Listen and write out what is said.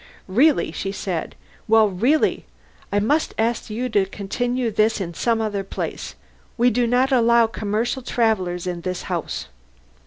"Really!" she said. "Well, really!... I must ask you to continue this in some other place. We do not allow commercial travellers in this house."